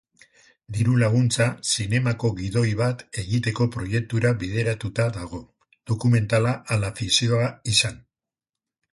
Diru-laguntza zinemako gidoi bat egiteko proiektura bideratuta dago, dokumentala ala fikzioa izan.